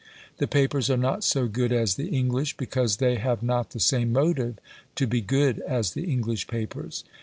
The papers are not so good as the English, because they have not the same motive to be good as the English papers.